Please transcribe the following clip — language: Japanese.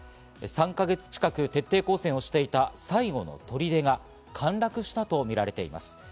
３か月近く徹底抗戦をしていた最後の砦が陥落したとみられています。